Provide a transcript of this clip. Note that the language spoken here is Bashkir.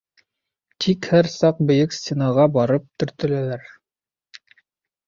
Тик һәр саҡ бейек стенаға барып төртөләләр.